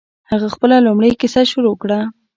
هغه خپله لومړۍ کیسه شروع کړه.